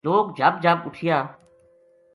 لوک جھب جھب اُٹھیا